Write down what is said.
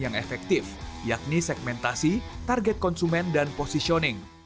yang efektif yakni segmentasi target konsumen dan positioning